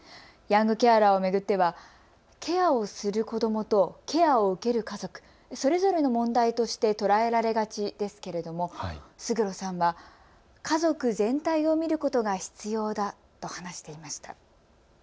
ヤングケアラーを巡ってはケアをする子どもと、ケアを受ける家族、それぞれの問題として捉えられがちですけれども勝呂さんは家族全体を見ることが必要だと話していました。